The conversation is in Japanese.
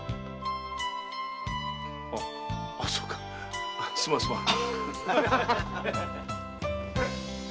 あそうかすまんすまん。